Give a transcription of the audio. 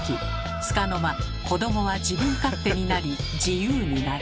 つかの間子どもは自分勝手になり自由になる。